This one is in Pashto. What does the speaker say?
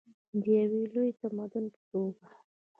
د یو لوی تمدن په توګه.